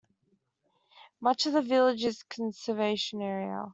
Much of the village is a conservation area.